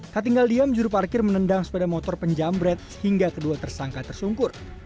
ketinggalan diam juru parkir menendang sepeda motor penjamret hingga kedua tersangka tersungkur